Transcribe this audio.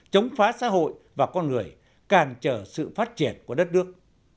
chống phá xã hội và con người càn trở sự phát triển của đất nước